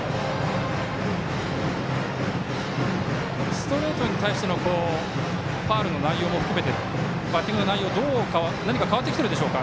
ストレートに対してのファウルの内容も含めてバッティングの内容何か変わってきてるでしょうか。